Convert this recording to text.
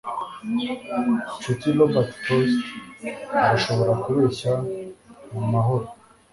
nshuti robert frost arashobora kubeshya mumahoro